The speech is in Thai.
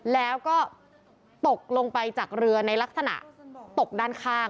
แล้วก็ตกลงไปจากเรือในลักษณะตกด้านข้าง